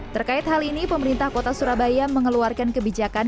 terkait hal ini pemerintah kota surabaya mengeluarkan kebijakan